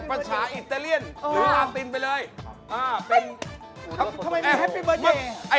ความสนาทีเพลงอะไร